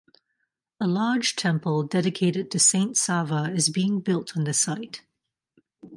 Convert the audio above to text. A large temple dedicated to Saint Sava is being built on the site.